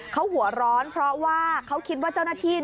เขาหัวร้อนเพราะว่าเขาคิดว่าเจ้าหน้าที่